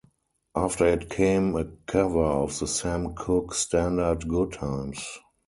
After it came a cover of the Sam Cooke standard "Good Times".